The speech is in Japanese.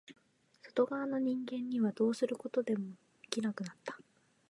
外側の人間にはどうすることもできなくなった。